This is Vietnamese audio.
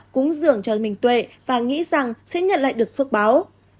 cúng dưỡng cho mình tuệ và nghĩ rằng sẽ nhận lại được phước báo